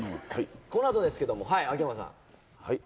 この後ですけども秋山さん。